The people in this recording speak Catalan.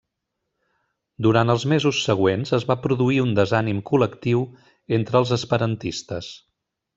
Durant els mesos següents es va produir un desànim col·lectiu entre els esperantistes.